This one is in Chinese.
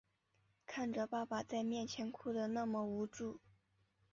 看着爸爸在面前哭的那么无助